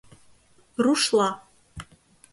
— Рушла.